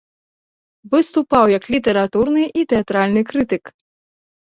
Выступаў як літаратурны і тэатральны крытык.